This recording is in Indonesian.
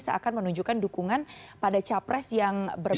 seakan menunjukkan dukungan pada capres yang berbeda